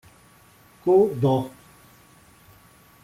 Codó